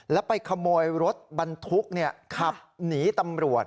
แล้วไปขโมยรถบรรทุกขับหนีตำรวจ